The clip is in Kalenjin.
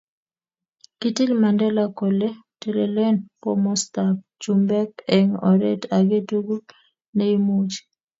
kitil Mandela kole telelen komostab chumbek eng oret age tugul neimuchi